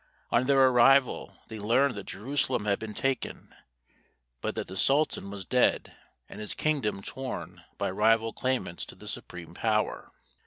On their arrival, they learned that Jerusalem had been taken, but that the sultan was dead, and his kingdom torn by rival claimants to the supreme power.